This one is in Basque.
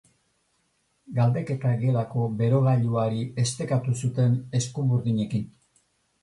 Galdeketa gelako berogailuari estekatu zuten eskuburdinekin.